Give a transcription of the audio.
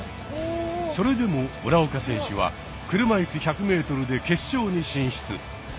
それでも村岡選手は車いす１００ｍで決勝に進出。